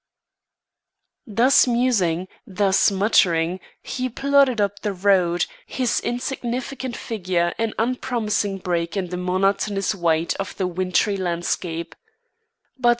Thus musing, thus muttering, he plodded up the road, his insignificant figure an unpromising break in the monotonous white of the wintry landscape.